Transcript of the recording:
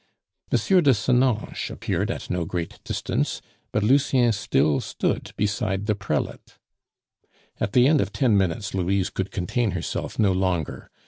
M. de Senonches appeared at no great distance, but Lucien still stood beside the prelate. At the end of ten minutes Louise could contain herself no longer.